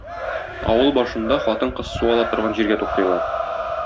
Авыл башында хатын-кыз су ала торган җиргә туктыйлар.